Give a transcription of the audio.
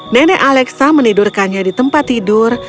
nenek alexa menidurkannya di tempat tidur